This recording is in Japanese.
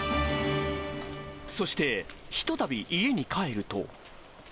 そして、ひとたび家に帰ると。